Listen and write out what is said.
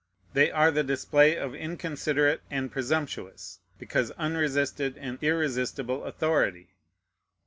They are the display of inconsiderate and presumptuous, because unresisted and irresistible authority.